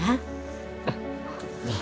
apa sih senang